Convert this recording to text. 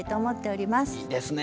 いいですね。